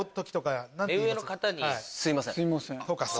すいません。